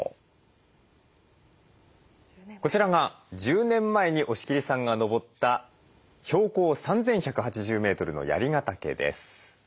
こちらが１０年前に押切さんが登った標高３，１８０メートルの槍ヶ岳です。